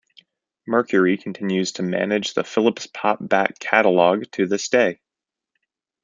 Mercury continues to manage the Philips pop back catalogue to this day.